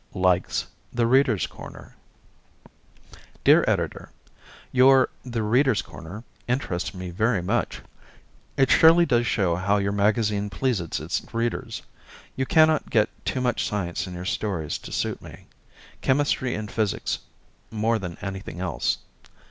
Likes "The Readers' Corner" Dear Editor: Your "The Readers' Corner" interests me very much. It surely does show how your magazine pleases its readers. You cannot get too much science in your stories to suit me. Chemistry and physics more than anything else.